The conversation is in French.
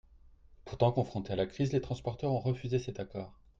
Pourtant, confrontés à la crise, les transporteurs ont refusé cet accord.